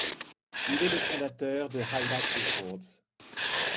Il est le fondateur de Hi-Lite Records.